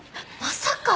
まさか！